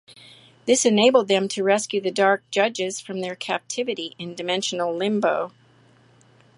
This enabled them to rescue the Dark Judges from their captivity in dimensional limbo.